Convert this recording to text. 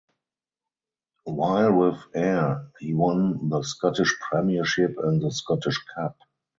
While with Ayr he won the Scottish Premiership and the Scottish Cup.